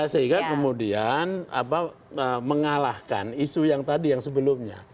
sehingga kemudian mengalahkan isu yang tadi yang sebelumnya